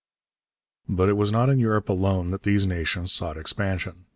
But it was not in Europe alone that these nations sought expansion.